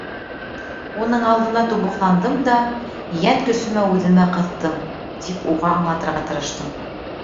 Уның алдына тубыҡландым да йән көсөмә үҙемә ҡыҫтым. — тип уға аңлатырға тырыштым.